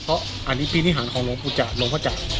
อ๋ออันนี้ปีนี้หันของโรงพจาตว์โรงพจาตว์